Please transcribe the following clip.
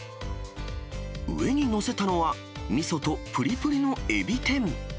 上に載せたのは、みそとぷりぷりのエビ天。